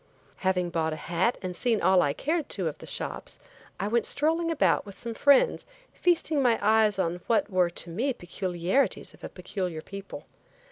Having bought a hat and seen all I cared to of the shops I went strolling about with some friends feasting my eyes on what were to me peculiarities of a peculiar people.